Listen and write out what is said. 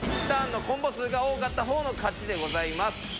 １ターンのコンボ数が多かったほうの勝ちでございます。